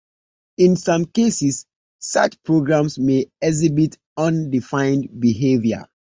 In some cases, such programs may exhibit undefined behavior.